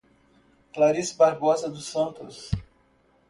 Clarice Barbosa dos Santos